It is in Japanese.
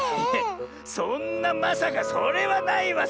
そんなまさかそれはないわ